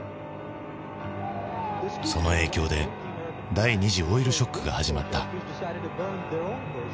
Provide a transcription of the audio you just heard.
その影響で第２次オイルショックが始まった。